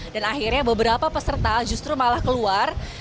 dan akhirnya beberapa peserta justru malah keluar